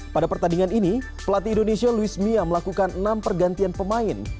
pada pertandingan ini pelatih indonesia luis mia melakukan enam pergantian pemain